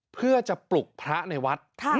เพื่อจะปลุกพระในวัด